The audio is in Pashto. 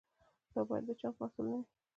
دا باید د چانس محصول نه وي.